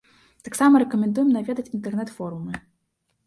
Таксама рэкамендуем наведаць інтэрнэт-форумы.